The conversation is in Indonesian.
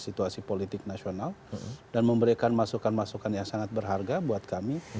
situasi politik nasional dan memberikan masukan masukan yang sangat berharga buat kami